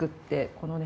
このね